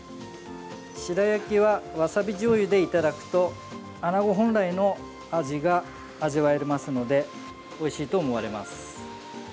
白焼きはわさびじょうゆでいただくとアナゴ本来の味が味わえますのでおいしいと思われます。